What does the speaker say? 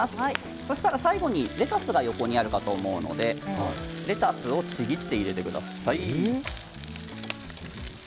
そうしたら最後にレタスが横にあると思いますのでレタスをちぎって入れてください。